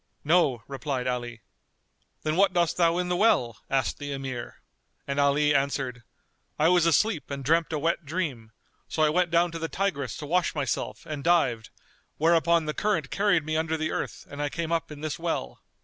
"No," replied Ali; "Then what dost thou in the well?" asked the Emir; and Ali answered, "I was asleep and dreamt a wet dream;[FN#233] so I went down to the Tigris to wash myself and dived, whereupon the current carried me under the earth and I came up in this well."